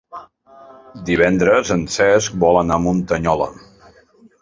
Divendres en Cesc vol anar a Muntanyola.